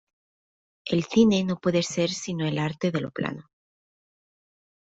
El cine no puede ser sino el arte de lo plano.